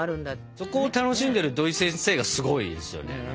そこを楽しんでる土井先生がすごいですよね。